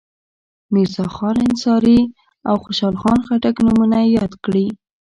میرزاخان انصاري او خوشحال خټک نومونه یې یاد کړي.